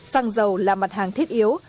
xăng dầu là mặt hàng thiết yếu